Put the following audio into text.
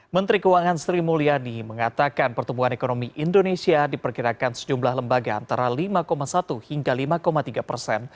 menteri keuangan sri mulyani mengatakan pertumbuhan ekonomi indonesia diperkirakan sejumlah lembaga antara lima satu hingga lima tiga persen